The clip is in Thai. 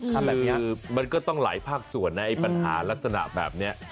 คือมันก็ต้องหลายภาคส่วนนะไอ้ปัญหารักษณะแบบนี้